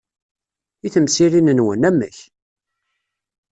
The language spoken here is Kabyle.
I temsirin-nwen, amek?